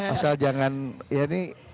asal jangan ya ini